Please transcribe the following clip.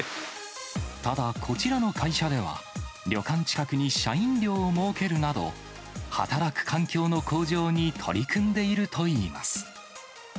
ただこちらの会社では、旅館近くに社員寮を設けるなど、働く環境の向上に取り組んでいるといいます。